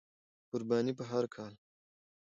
قرباني په هر کال،